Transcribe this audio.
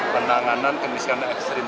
penanganan kemiskan ekstrim